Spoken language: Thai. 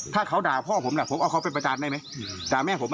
ถ้าเขาด่าพ่อผมล่ะผมเอาเขาเป็นประจานได้ไหมด่าแม่ผม